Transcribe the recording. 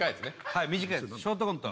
はい短いやつショートコント